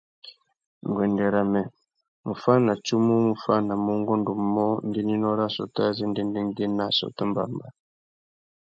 Nguêndê râ mê, muffānatsumu mù fānamú ungôndô umô ngüeninô râ assôtô azê ndêndêngüê nà assôtô mbămbá.